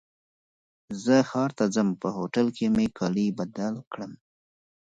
زه ښار ته ځم په هوټل کي به مي کالي بدل کړم.